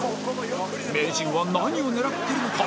名人は何を狙っているのか？